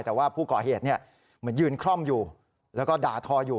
แต่ว่าผู้ก่อเหตุเหมือนยืนคล่อมอยู่แล้วก็ด่าทออยู่